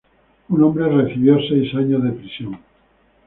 Un hombre recibió seis años de prisión.